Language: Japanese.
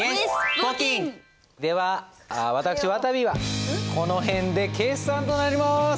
では私わたびはこの辺で決算となります。